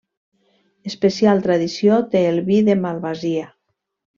Especial tradició té el vi de malvasia.